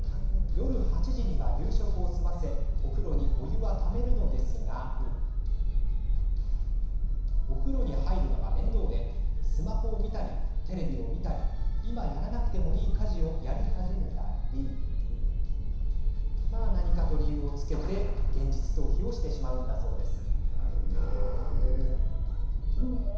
夜８時には夕食を済ませお風呂にお湯は、ためるのですがお風呂に入るのが面倒でスマホを見たり、テレビを見たり今やらなくてもいい家事をやり始めたり何かと理由をつけて現実逃避をしてしまうんだそうです。